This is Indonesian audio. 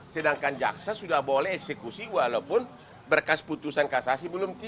sedangkan jaksa sudah boleh eksekusi walaupun berkas putusan kasasi belum tiba